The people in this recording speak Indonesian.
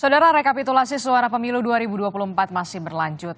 saudara rekapitulasi suara pemilu dua ribu dua puluh empat masih berlanjut